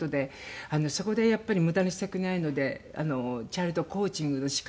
そこでやっぱり無駄にしたくないのでチャイルドコーチングの資格を。